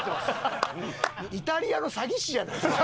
イタリアの詐欺師じゃないですか。